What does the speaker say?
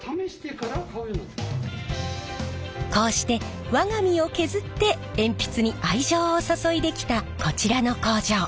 こうして我が身を削って鉛筆に愛情をそそいできたこちらの工場。